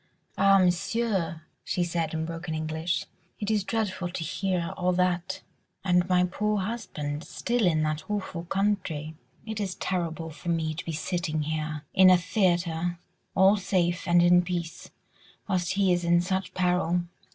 "Ah, Monsieur!" she said in broken English, "it is dreadful to hear all that—and my poor husband still in that awful country. It is terrible for me to be sitting here, in a theatre, all safe and in peace, whilst he is in such peril."